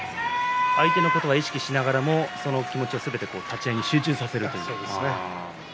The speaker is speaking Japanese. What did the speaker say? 相手のことは意識しながらも、その気持ちをすべて立ち合いに集中させる。